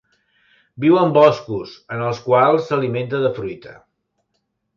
Viu en boscos, en els quals s'alimenta de fruita.